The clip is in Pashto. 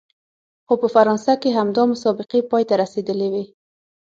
خو په فرانسه کې همدا مسابقې پای ته رسېدلې وې.